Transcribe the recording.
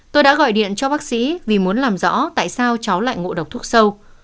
tôi đã gọi điện cho bác sĩ vì muốn làm rõ tại sao cháu lại ngộ độc thuốc sâu